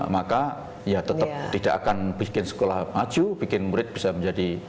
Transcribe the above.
maka ya tetap tidak akan bikin sekolah maju bikin murid bisa menjadi